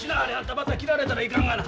また切られたらいかんがな。